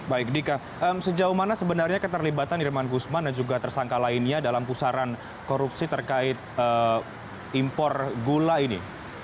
baik dika sejauh mana sebenarnya keterlibatan irman gusman dan juga tersangka lainnya dalam pusaran korupsi terkait impor gula ini